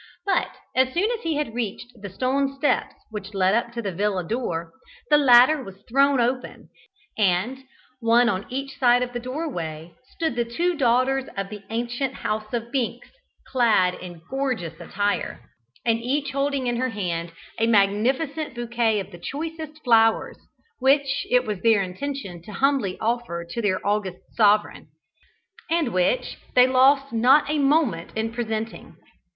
But as soon as he had reached the stone steps which led up to the villa door, the latter was thrown open, and, one on each side of the doorway, stood the two daughters of the ancient house of Binks, clad in gorgeous attire, and each holding in her hand a magnificent bouquet of the choicest flowers, which it was their intention to humbly offer to their august sovereign, and which they lost not a moment in presenting.